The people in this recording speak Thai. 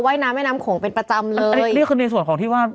ไหว้น้ำแม่น้ำโขงเป็นประจำเลยนั่งที่เป็นเรียกขึ้นในส่วนของที่ว่า